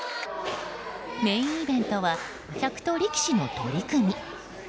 メインイベントは客と力士の取組。